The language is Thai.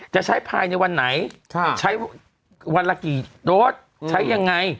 จะใช้ภายในวันไหนใช้วันละกี่โดสใช้ยังไง